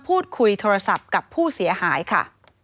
พูดคุยโทรศัพท์กับผู้เสียหายค่ะ